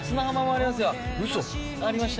ウソ！ありました